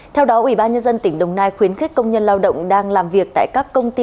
theo đó ủy ban nhân dân tỉnh đồng nai khuyến khích công nhân lao động đang làm việc tại các công ty